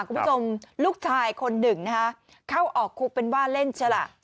คุณผู้ชมลูกชายคนหนึ่งนะฮะเข้าออกคุกเป็นว่าเล่นใช่ล่ะ